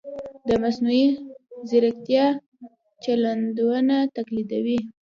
د مصنوعي ځیرکتیا چلندونه تقلیدوي.